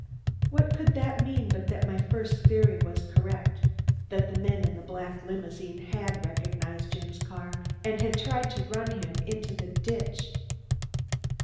What could that mean but that my first theory was correct, that the men in the black limousine had recognized Jim's car and had tried to run him into the ditch?